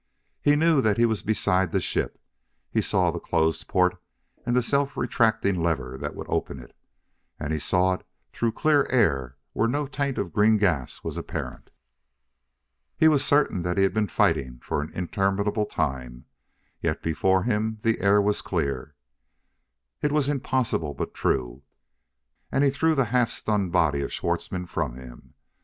He knew he was beside the ship: he saw the closed port and the self retracting lever that would open it, and he saw it through clear air where no taint of the green gas was apparent. He was certain that he had been fighting for an interminable time, yet before him the air was clear. It was impossible, but true; and he threw the half stunned body of Schwartzmann from him.